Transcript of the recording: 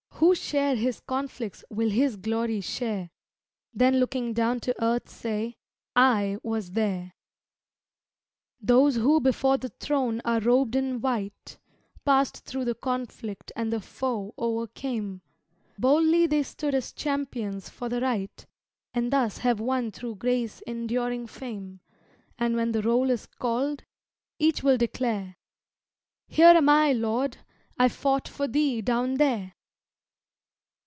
Who share His conflicts will His glory share; Then looking down to earth say, "I was there!" Those who before the throne are robed in white, Passed thro' the conflict and the foe o'ercame; Boldly they stood as champions for the right, And thus have won thro' grace enduring fame, And when the roll is called, each will declare, "_Here am I, Lord, I fought for Thee down there!